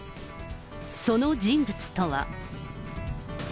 その人物とは。